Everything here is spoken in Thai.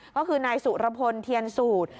ก็คือนายสุรพลเทียนสูตร